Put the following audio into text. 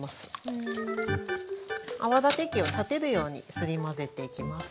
泡立て器を立てるようにすり混ぜていきます。